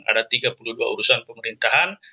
ada tiga puluh dua urusan pemerintahan